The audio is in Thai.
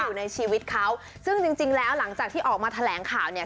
อยู่ในชีวิตเขาซึ่งจริงจริงแล้วหลังจากที่ออกมาแถลงข่าวเนี่ย